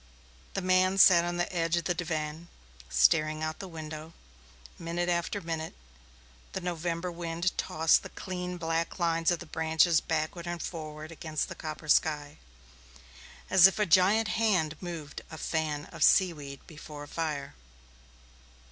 The man sat on the edge of the divan staring out of the window, minute after minute; the November wind tossed the clean, black lines of the branches backward and forward against the copper sky, as if a giant hand moved a fan of sea weed before a fire.